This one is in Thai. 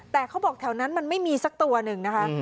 แต่เขาบอกแถวนั้นมันไม่มีสักตัวหนึ่งนะคะ